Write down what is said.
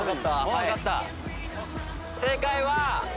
正解は。